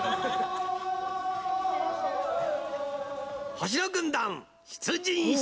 ［星野軍団出陣式］